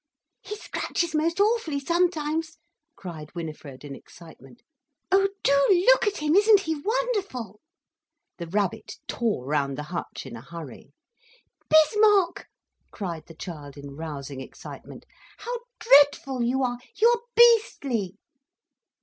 "He scratches most awfully sometimes," cried Winifred in excitement. "Oh do look at him, isn't he wonderful!" The rabbit tore round the hutch in a hurry. "Bismarck!" cried the child, in rousing excitement. "How dreadful you are! You are beastly."